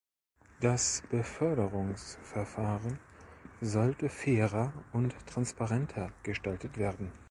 Das Beförderungsverfahren sollte fairer und transparenter gestaltet werden.